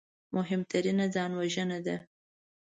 مهمترینه ځانوژنه ده